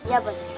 ya bapak sirkiti